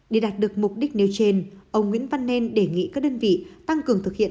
để đạt được mục đích nêu trên ông nguyễn văn nên đề nghị các đơn vị tăng cường thực hiện